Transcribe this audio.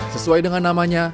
sesuai dengan namanya